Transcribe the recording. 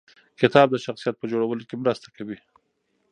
کتاب د شخصیت په جوړولو کې مرسته کوي.